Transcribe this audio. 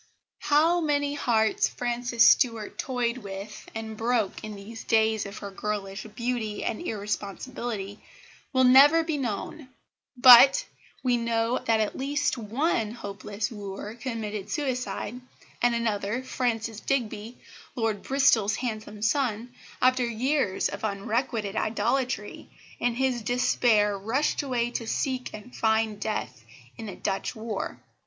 How many hearts Frances Stuart toyed with and broke in these days of her girlish beauty and irresponsibility will never be known; but we know that at least one hopeless wooer committed suicide, and another, Francis Digby, Lord Bristol's handsome son, after years of unrequited idolatry, in his despair rushed away to seek and find death in the Dutch war.